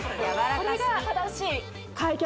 これが正しい開脚